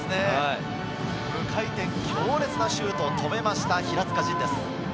無回転、強烈なシュートを止めました、平塚仁です。